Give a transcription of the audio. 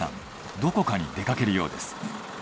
どこかに出かけるようです。